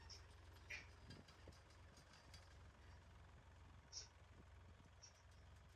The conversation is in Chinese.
该宣言是首部俄罗斯宪法的前身。